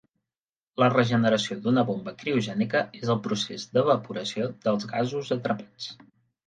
La regeneració d'una bomba criogènica és el procés d'evaporació dels gasos atrapats.